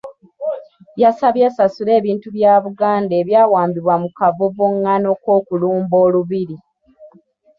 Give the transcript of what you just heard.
Yagisabye esasule ebintu bya Buganda ebyawambibwa mu kavuvungano k’okulumba Olubiri.